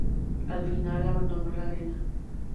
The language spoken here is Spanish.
Al final abandonó la arena.